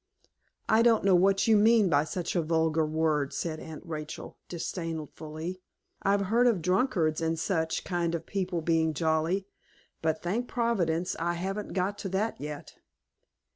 "I don't know what you mean by such a vulgar word," said Aunt Rachel, disdainfully. "I've heard of drunkards and such kind of people being jolly; but, thank Providence, I haven't got to that yet."